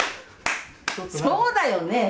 そうだよね。